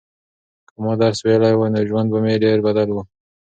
که ما درس ویلی وای نو ژوند به مې ډېر بدل و.